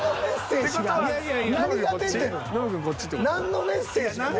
何のメッセージ？